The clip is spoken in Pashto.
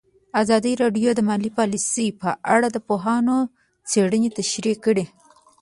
ازادي راډیو د مالي پالیسي په اړه د پوهانو څېړنې تشریح کړې.